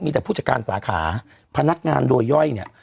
มีแต่ผู้จัดการสาขาพนักงานโดยย่อยเนี่ย